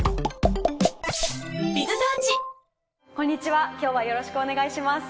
こんにちは今日はよろしくお願いします。